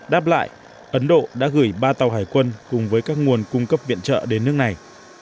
đáp lại ấn độ đã gửi ba tàu hải quân cùng với các nguồn cung cấp viện trợ đến nước này